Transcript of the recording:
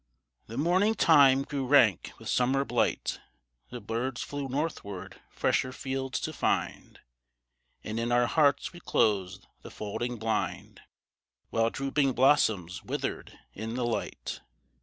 The morning time grew rank with summer blight; The birds flew northward, fresher fields to find; And in our hearts we closed the folding blind, While drooping blossoms withered in the light.